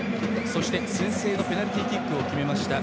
そして先制のペナルティーキックを決めました